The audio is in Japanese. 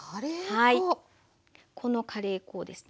このカレー粉をですね